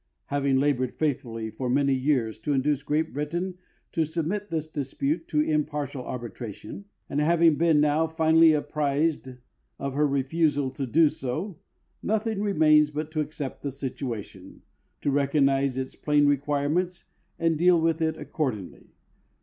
Having labored faithfully for many years to induce Great Britain to submit this dispute to impartial arbitration, and having been now finally apprised of her re fusal to do so, nothing remains but to accept the situation, to recognize its plain requirements and deal with it accordingly.